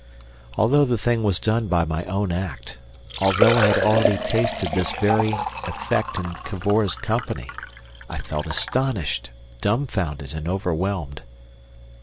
Although the thing was done by my own act, although I had already tasted this very of effect in Cavor's company, I felt astonished, dumbfounded, and overwhelmed.